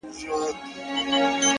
زما د سيمي د ميوند شاعري ـ